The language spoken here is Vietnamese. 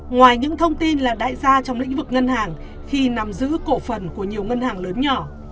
ngoài những thông tin là đại gia trong lĩnh vực ngân hàng khi nằm giữ cổ phần của nhiều ngân hàng lớn nhỏ